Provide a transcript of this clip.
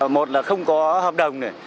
một là không có hợp đồng này